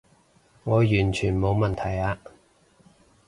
我完全冇問題啊